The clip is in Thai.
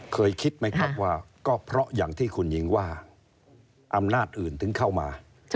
เคยคิดไหมครับว่าก็เพราะอย่างที่คุณหญิงว่าอำนาจอื่นถึงเข้ามา